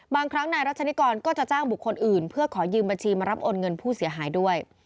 บางครั้งนายรัชนิกรก็จะจ้างบุคคลอื่นเพื่อขอยืมบัญชีมารับโอนเงินผู้เสียหายด้วย